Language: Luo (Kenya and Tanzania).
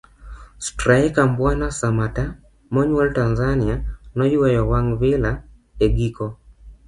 straika Mbwana Samatta monyuol Tanzania noyueyo wang' Villa e giko